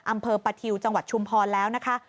อำเภอประทิวจังหวัดชุมพรแล้วนะคะ